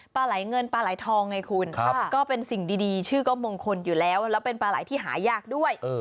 ปลาไหลเงินปลาไหลทองไงคุณก็เป็นสิ่งดีชื่อก็มงคลอยู่แล้วแล้วเป็นปลาไหลที่หายากด้วย